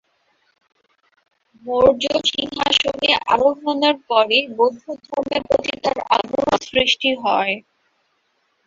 মৌর্য সিংহাসনে আরোহনের পরই বৌদ্ধধর্মের প্রতি তাঁর আগ্রহ সৃষ্টি হয়।